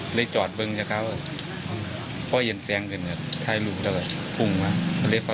พี่จอดเบื้องโชคเขาเพราะเย็นแซงเหมือนหนักท้ายหลูครับ